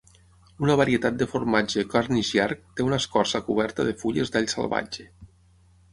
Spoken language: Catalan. Una varietat de formatge Cornish Yarg té una escorça coberta de fulles d'all salvatge.